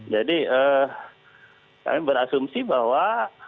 jadi kami berasumsi bahwa